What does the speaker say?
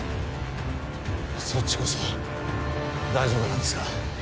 そっちこそ大丈夫なんですか？